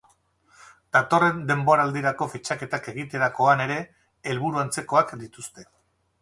Datorren denboraldirako fitxaketak egiterakoan ere helburu antzerakoak dituzte.